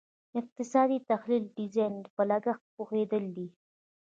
اقتصادي تحلیل د ډیزاین په لګښت پوهیدل دي.